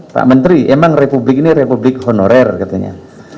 pak menteri emang republik ini republik honorer katanya